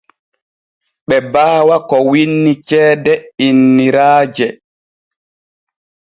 Ɓe baawa ko winni ceede innoraaje.